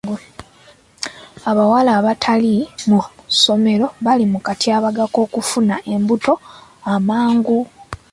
Abawala abatali mu ssomero bali mu katyabaga k'okufuna embuto amangu.